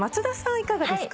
いかがですか？